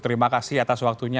terima kasih atas waktunya